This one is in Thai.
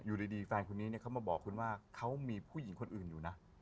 อยู่ดีแฟนคนนี้เขามาบอกคุณว่าเขามีผู้หญิงคนอื่นอยู่นะ